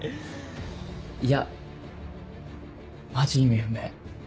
いやマジ意味不明。